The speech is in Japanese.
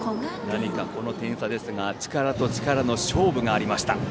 何か、この点差ですが力と力の勝負がありました。